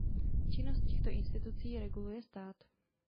Činnost těchto institucí reguluje stát.